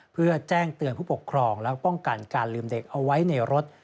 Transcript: เพื่อแจ้งเตือนผู้ปกครองและป้องกันการลืมเด็กเอาไว้ในรถ